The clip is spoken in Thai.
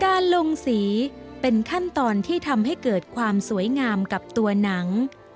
การลงสีเป็นขั้นตอนที่ทำให้เกิดความสวยงามกับตัวหนัง